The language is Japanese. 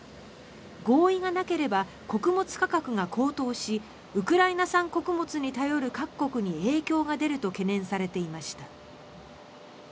合意がなければ穀物価格が高騰しウクライナ産穀物に頼る各国に影響が出ると懸念されていました。